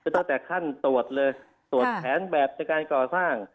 ตั้งแต่ขั้นตรวจเลยตรวจแผนแบบในการก่อสร้าง